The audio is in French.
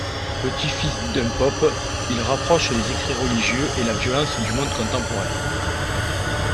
Petit-fils d'un pope, il rapproche les écrits religieux et la violence du monde contemporain.